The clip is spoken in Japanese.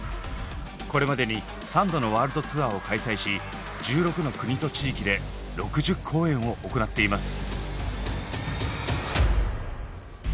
これまでに３度のワールドツアーを開催し１６の国と地域で６０公演を行っています。